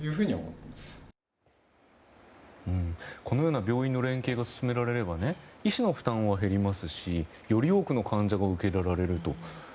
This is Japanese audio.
このような病院の連携が進められれば医師の負担は減りますしより多くの患者が受け入れられると。